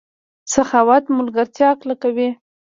سخاوت ملګرتیا کلکوي.